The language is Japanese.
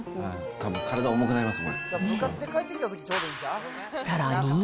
たぶん体重くなります、さらに。